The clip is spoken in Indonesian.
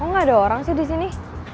kok nggak ada orang di sini